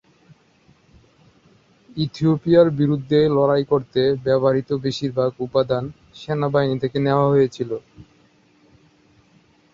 ইথিওপিয়ার বিরুদ্ধে লড়াই করতে ব্যবহৃত বেশিরভাগ উপাদান সেনাবাহিনী থেকে নেওয়া হয়েছিল।